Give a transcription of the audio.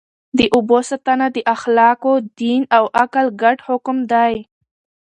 د اوبو ساتنه د اخلاقو، دین او عقل ګډ حکم دی.